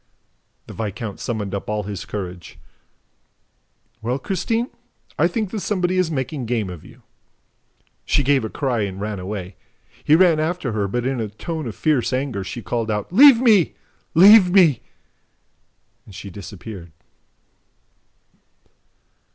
The viscount summoned up all his courage. "Well, Christine, I think that somebody is making game of you." She gave a cry and ran away. He ran after her, but, in a tone of fierce anger, she called out: "Leave me! Leave me!" And she disappeared.